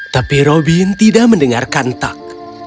tapi robin tidak mendengar kantak